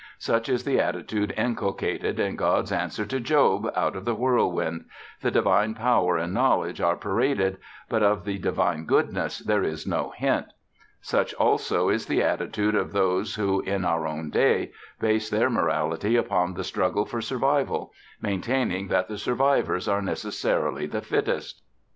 Such is the attitude inculcated in God's answer to Job out of the whirlwind: the divine power and knowledge are paraded, but of the divine goodness there is no hint. Such also is the attitude of those who, in our own day, base their morality upon the struggle for survival, maintaining that the survivors are necessarily the fittest.